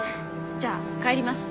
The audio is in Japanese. じゃあ帰ります。